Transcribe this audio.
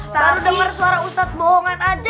baru denger suara ustadz bohongan aja